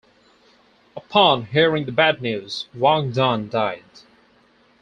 Upon hearing the bad news, Wang Dun died.